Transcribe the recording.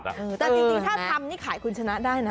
ถ้ายังไงกรรมนี้ขายคุณชนะได้นะ